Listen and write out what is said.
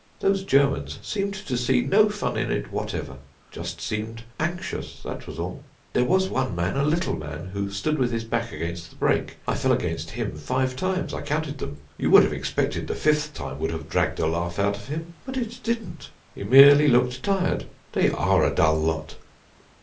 Those Germans seemed to see no fun in it whatever just seemed anxious, that was all. There was one man, a little man, who stood with his back against the brake; I fell against him five times, I counted them. You would have expected the fifth time would have dragged a laugh out of him, but it didn't; he merely looked tired. They are a dull lot."